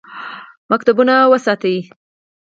مکتبونه وساتئ